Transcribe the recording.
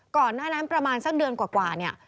ก่อนหน้านั้นประมาณสักเดือนกว่าเนี่ย